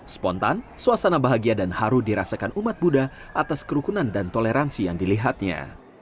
spontan suasana bahagia dan haru dirasakan umat buddha atas kerukunan dan toleransi yang dilihatnya